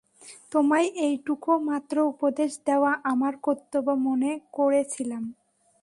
তোমায় এইটুকু মাত্র উপদেশ দেওয়া আমার কর্তব্য মনে করেছিলাম।